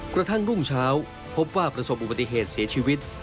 กระทั่งรุ่งเช้าพบว่าประสบอุบัติเหตุเสียชีวิต